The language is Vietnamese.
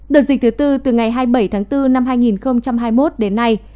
đợt dịch thứ tư từ ngày hai mươi bảy tháng bốn năm hai nghìn hai mươi một đến nay